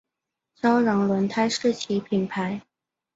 朝阳轮胎是其品牌。